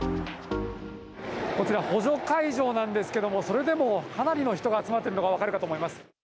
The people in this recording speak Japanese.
こちらは補助会場なんですけども、それでもかなりの人が集まってるのが分かるかと思います。